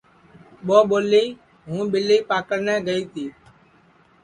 ٻو ٻولی ہوں ٻیلی پاکڑنے گئی تی